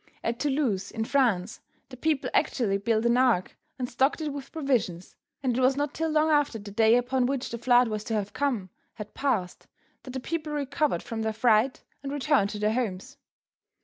At Toulouse, in France, the people actually built an ark and stocked it with provisions, and it was not till long after the day upon which the flood was to have come, had passed, that the people recovered from their fright and returned to their homes.